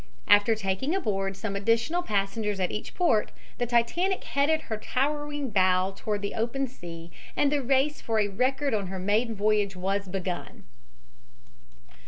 After taking aboard some additional passengers at each port, the Titanic headed her towering bow toward the open sea and the race for a record on her maiden voyage was begun.